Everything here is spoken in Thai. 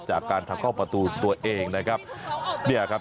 จากการทำเข้าประตูตัวเองนะครับเนี่ยครับ